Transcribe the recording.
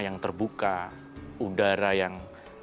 yang terbuka udara yang